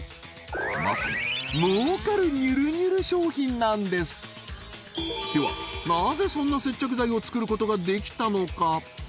まさに儲かるにゅるにゅる商品なんですではなぜそんな接着剤を作ることができたのか？